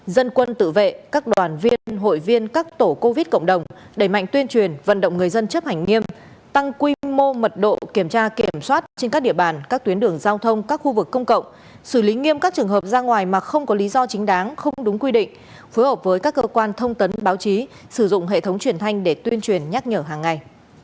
dân quân tự vệ các đoàn viên hội viên các tổ covid cộng đồng đẩy mạnh tuyên truyền vận động người dân chấp hành nghiêm tăng quy mô mật độ kiểm tra kiểm soát trên các địa bàn các tuyến đường giao thông các khu vực công cộng xử lý nghiêm các trường hợp ra ngoài mà không có lý do chính đáng không đúng quy định phối hợp với các cơ quan thông tấn báo chí sử dụng hệ thống truyền thanh để tuyên truyền nhắc nhở hàng ngày